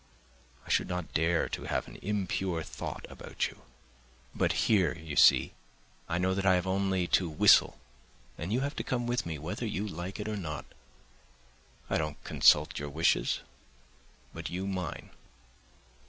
I should not dare to have an impure thought about you. But here, you see, I know that I have only to whistle and you have to come with me whether you like it or not. I don't consult your wishes, but you mine.